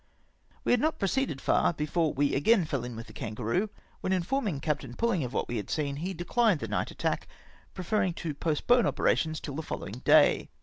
We had not proceeded far, before we again fell in with the Kangaroo^ when informing Captain Pulling of what we had seen, he dechned the night attack, pre ferring to postpone operations till the following day.